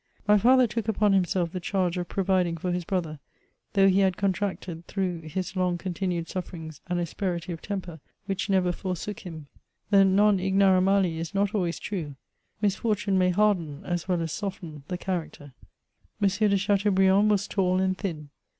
'*' My father took upon l^mself the charge of providing for his brother, though he had contracted, through his long continued suffer ings, an asperity of temper, which never forsook him. The non ignara nudi is not always true. Misfortune may harden as well as soften the character. M. de Chateaubriand was tall and thin.